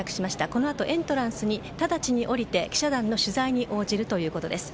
このあとエントランスに直ちに降りて記者団の取材に応じるということです。